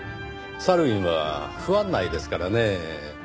サルウィンは不案内ですからねぇ。